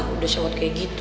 udah sewot kayak gitu